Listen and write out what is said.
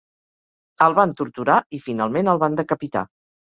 El van torturar i finalment el van decapitar.